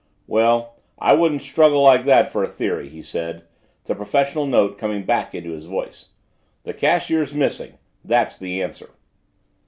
"Well, I wouldn't struggle like that for a theory," he said, the professional note coming back to his voice. "The cashier's missing that's the answer."